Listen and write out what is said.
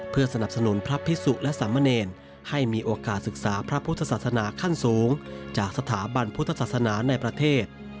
เพื่อสนับสนุนพระพิสุและสามเณรให้มีโอกาสศึกษาพระพุทธศาสนาขั้นสูงจากสถาบันพุทธศาสนาในประเทศ